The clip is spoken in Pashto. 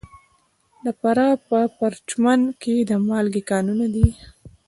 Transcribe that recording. د فراه په پرچمن کې د مالګې کانونه دي.